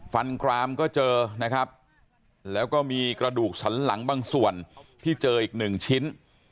กรามก็เจอนะครับแล้วก็มีกระดูกสันหลังบางส่วนที่เจออีกหนึ่งชิ้น